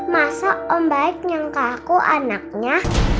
masa om baik nyangka aku anaknya